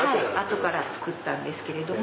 後から造ったんですけれども。